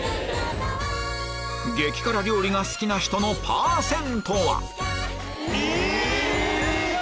激辛料理が好きな人のパーセントは？え！